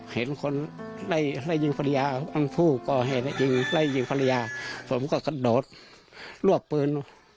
เห็นคนไล่ยิงภรรยาของผู้ก่อเหตุไล่ยิงภรรยาผมก็กระโดดรวบปืน